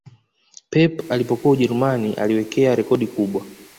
pep alipokuwa ujerumani aliwekea rekodi kubwa